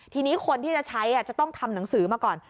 ทีนี้คนที่จะใช้จะต้องทำหนังสือมาก่อน